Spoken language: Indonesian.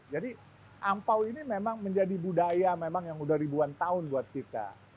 jadi angpao ini memang menjadi budaya yang memang udah ribuan tahun buat kita